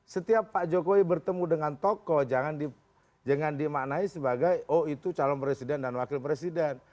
setiap pak jokowi bertemu dengan tokoh jangan dimaknai sebagai oh itu calon presiden dan wakil presiden